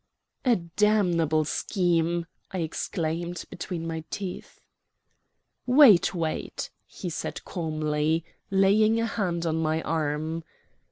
"A damnable scheme!" I exclaimed, between my teeth. "Wait, wait," he said calmly, laying a hand on my arm.